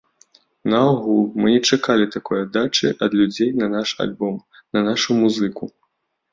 Наогул, мы не чакалі такой аддачы ад людзей на наш альбом, на нашу музыку.